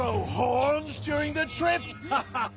ハハハ！